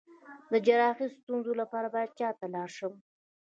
د جراحي ستونزو لپاره باید چا ته لاړ شم؟